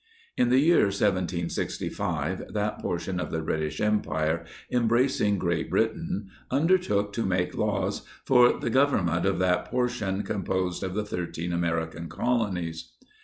In the year 1765, that portion of the British Empire embracing Great Britain, undertook to make laws for the government of that portion composed of the thirteen American Colonies.